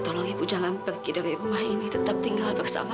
tapi kamu nggak boleh kayak gini doang lah